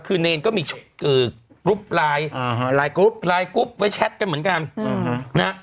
คือเนรก็มีกรุ๊ปไลน์กรุ๊ปไลน์กรุ๊ปไว้แชทกันเหมือนกัน